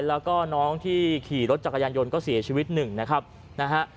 แล้วก็น้องที่ขี่รถจักรยานยนต์ก็เสียชีวิตหนึ่งนะครับนะฮะ